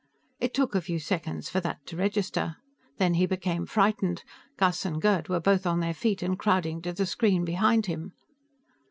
It took a few seconds for that to register. Then he became frightened. Gus and Gerd were both on their feet and crowding to the screen behind him.